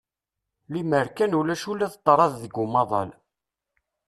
Lemmer kan ulac ula d ṭṭraḍ deg umaḍal.